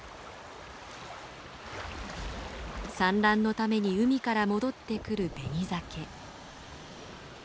産卵のために海から戻ってくるベニザケ。